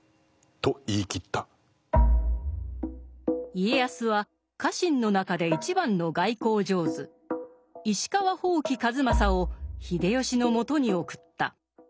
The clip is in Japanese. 家康は家臣の中で一番の外交上手石川伯耆数正を秀吉の元に送った。